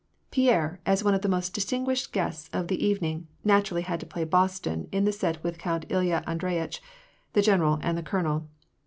Pierre, as one of the most distinguished guests of the even ing, naturally had to play Boston in the set with Count Ilya Andreyitch, the general, and the colonel.